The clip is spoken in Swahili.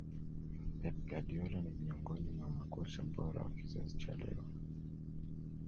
pep guardiola ni miongoni mwa makocha bora wa kizazi cha leo